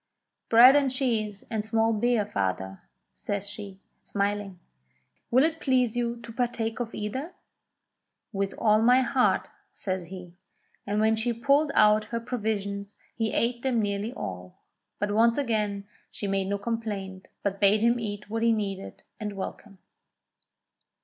"Bread and cheese and small beer, father," says she, smiling. "Will it please you to partake of either ?" "With all my heart," says he, and when she pulled out her provisions he ate them nearly all. But once again she THE THREE HEADS OF THE WELL 223 made no complaint, but bade him eat what he needed, and welcome.